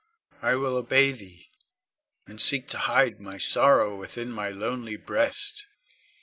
I will obey thee, and seek to hide my sorrow within my lonely breast.